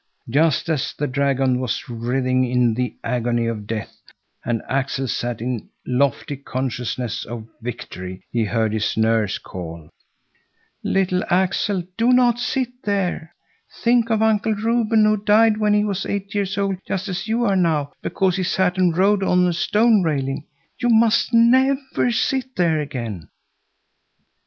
Just as the dragon was writhing in the agony of death and Axel sat in lofty consciousness of victory, he heard his nurse call: "Little Axel, do not sit there! Think of Uncle Reuben, who died when he was eight years old, just as you are now, because he sat and rode on a stone railing. You must never sit there again."